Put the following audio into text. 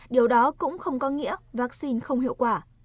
điều đó cũng không có nghĩa vaccine không hiệu quả